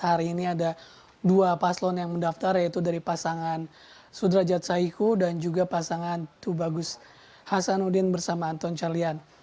hari ini ada dua paslon yang mendaftar yaitu dari pasangan sudrajat saiku dan juga pasangan tubagus hasanuddin bersama anton carlian